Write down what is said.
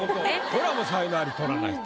これはもう才能アリとらないと。